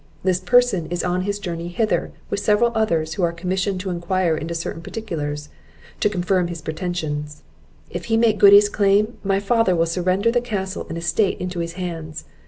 This person is on his journey hither, with several others who are commissioned to enquire into certain particulars, to confirm his pretensions. If he make good his claim, my father will surrender the castle and estate into his hands.